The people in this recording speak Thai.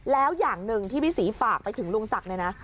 แล้วอย่างหนึ่งที่พี่ศรีฝากไปถึงลุงศักดิ์เนี่ยนะ